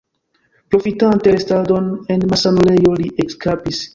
Profitante restadon en malsanulejo, li eskapis.